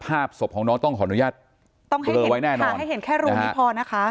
ภาพศพของน้องต้องขออนุญาตเบลอไว้แน่นอนค่ะให้เห็นแค่รูนี้พอนะคะ